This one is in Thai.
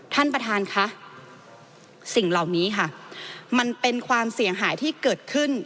ท่านประธานค่ะสิ่งเหล่านี้ค่ะมันเป็นความเสียหายที่เกิดขึ้น